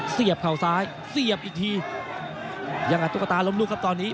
เข่าซ้ายเสียบอีกทีอย่างกับตุ๊กตาล้มลุกครับตอนนี้